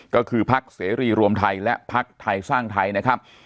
ก็คือพักเสรีรวมไทยและพักไทยสร้างไทยนะครับ